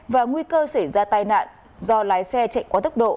và nguy cơ xảy ra tai nạn do lái xe chạy quá tốc độ